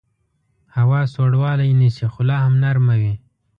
هوا سوړوالی نیسي خو لاهم نرمه وي